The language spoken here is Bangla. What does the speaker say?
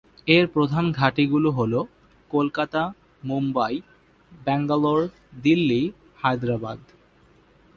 এর প্রধান ঘাঁটি গুলি হলোঃ কলকাতা, মুম্বই, ব্যাঙ্গালোর, দিল্লি, হায়দ্রাবাদ।